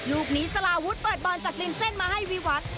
ลูกนี้สลาวุฒิเปิดบอลจากริมเส้นมาให้วิวัตร